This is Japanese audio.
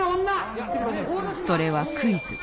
それはクイズ。